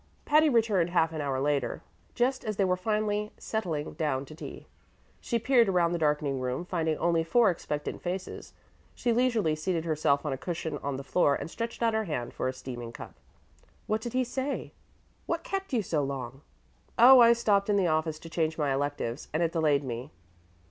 Patty returned half an hour later, just as they were finally settling down to tea. She peered around the darkening room; finding only four expectant faces, she leisurely seated herself on a cushion on the floor and stretched out her hand for a steaming cup. "What did he say? What kept you so long?" "Oh, I stopped in the office to change my electives, and it delayed me."